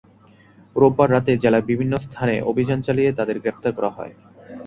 রোববার রাতে জেলার বিভিন্ন স্থানে অভিযান চালিয়ে তাঁদের গ্রেপ্তার করা হয়।